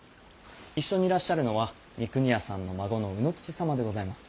一緒にいらっしゃるのは三国屋さんの孫の卯之吉様でございます。